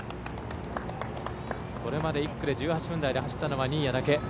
これまで１区で１８分台で走ったのは新谷だけ。